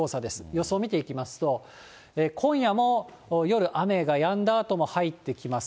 予想を見ていきますと、今夜も夜、雨がやんだあとも入ってきます。